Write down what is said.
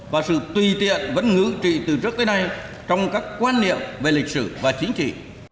và sự tùy tiện vẫn ngữ trị từ trước tới nay trong các quan niệm về lịch sử và chính trị